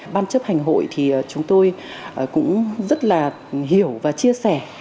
ban chấp hành hội thì chúng tôi cũng rất là hiểu và chia sẻ